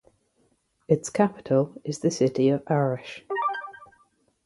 Its capital is the city of Arish.